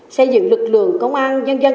xây dựng lực lượng công an nhân dân